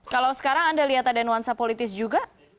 kalau sekarang anda lihat ada nuansa politis juga